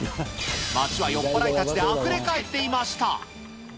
街は酔っ払いたちであふれ返っていました。